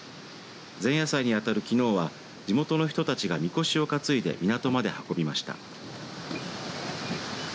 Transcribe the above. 前夜祭に当たるきのうは地元の人たちがみこしを担いで港まで運びました。